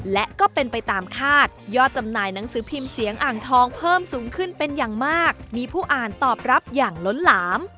และก็เป็นไปตามคาดยอดจำหน่ายหนังสือพิมพ์เสียงอ่างทองเพิ่มสูงขึ้นเป็นอย่างมากมีผู้อ่านตอบรับอย่างล้นหลาม